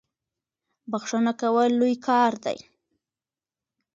بخښنه کول لوی کار دی.